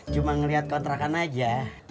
cuma ngeliat kontrakan aja